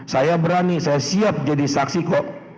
saya berani saya siap jadi saksi kok